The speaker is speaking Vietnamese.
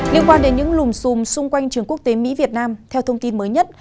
liên quan đến những lùm xùm xung quanh trường quốc tế mỹ việt nam theo thông tin mới nhất